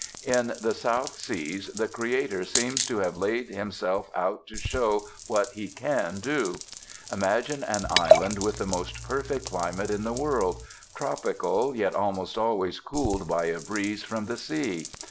In the South Seas the Creator seems to have laid Himself out to show what He can do. Imagine an island with the most perfect climate in the world, tropical, yet almost always cooled by a breeze from the sea.